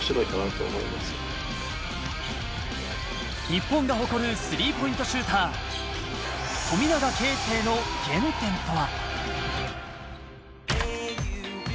日本が誇るスリーポイントシューター、富永啓生の原点とは。